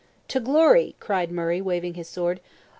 "To glory!" cried Murray, waving his sword; "O!